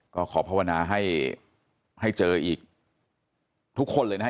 ก็ขอภาวนาให้เจออีกทุกคนเลยนะฮะ